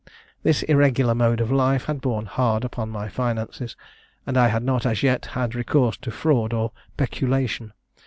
This irregular mode of life had borne hard upon my finances, and I had not, as yet, had recourse to fraud or peculation.